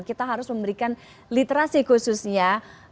kita harus memberikan literasi khususnya